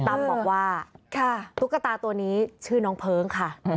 บอกว่าตุ๊กตาตัวนี้ชื่อน้องเพิ้งค่ะ